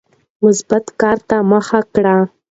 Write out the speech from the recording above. مثبت کار ته مخه کړئ.